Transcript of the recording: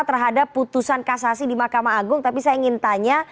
terhadap putusan kasasi di mahkamah agung tapi saya ingin tanya